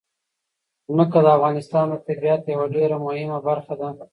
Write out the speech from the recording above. ځمکه د افغانستان د طبیعت یوه ډېره مهمه برخه ده.